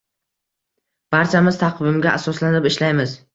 Barchamiz taqvimga asoslanib ishlaymiz